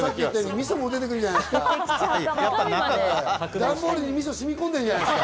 みそも出てくるんじゃないですか？